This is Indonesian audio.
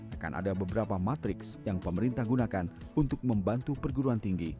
akan ada beberapa matrix yang pemerintah gunakan untuk membantu perguruan tinggi